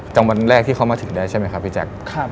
จำวันแรกที่เขามาถึงได้ใช่ไหมครับพี่แจ๊ค